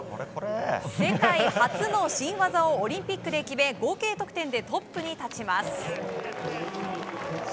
世界初の新技をオリンピックで決め合計得点でトップに立ちます。